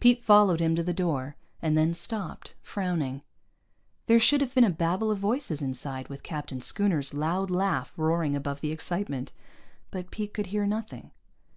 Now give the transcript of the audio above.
Pete followed him to the door, and then stopped, frowning. There should have been a babble of voices inside, with Captain Schooner's loud laugh roaring above the excitement. But Pete could hear nothing.